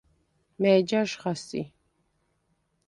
მა̈ჲ ჯაჟხა სი?